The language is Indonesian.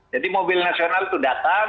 mobil nasional itu datang